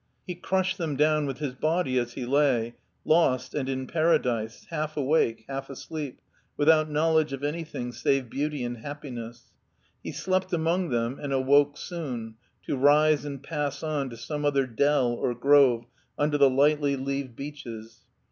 He crushed them down with his body as he lay, lost, and in paradise, half awake, half asleep, without know ledge of anything save beauty and happiness. He slept among them and awoke soon, to rise and pass on to some other dell or grove under the lightly leaved beeches.